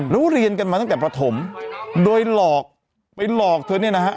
แล้วเรียนกันมาตั้งแต่ประถมโดยหลอกไปหลอกเธอเนี่ยนะฮะ